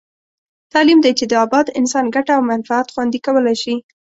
تعلیم دی چې د اباد انسان ګټه او منفعت خوندي کولای شي.